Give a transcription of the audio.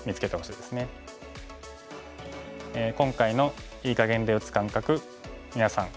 今回の“いい”かげんで打つ感覚みなさん